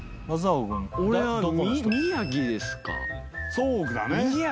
そうだね。